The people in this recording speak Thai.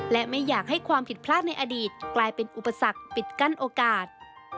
และไม่อยากให้ความผิดพลาดในอดีตกลายเป็นอุปสรรคปิดกั้นโอกาส